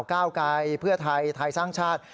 ก้าวไกลเพื่อไทยไทยสร้างชาติ